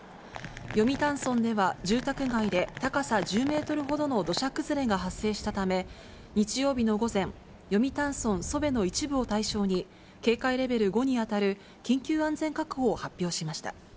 読谷村では、住宅街で高さ１０メートルほどの土砂崩れが発生したため、日曜日の午前、読谷村楚辺の一部を対象に警戒レベル５に当たる緊急安全確保を発表しました。